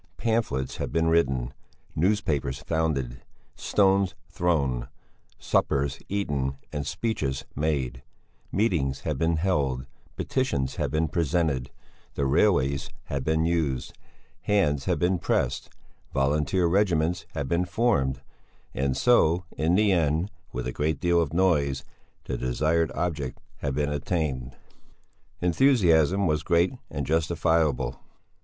Pamphlets had been written, newspapers founded, stones thrown, suppers eaten and speeches made; meetings had been held, petitions had been presented, the railways had been used, hands had been pressed, volunteer regiments had been formed; and so, in the end, with a great deal of noise, the desired object had been attained. Enthusiasm was great and justifiable.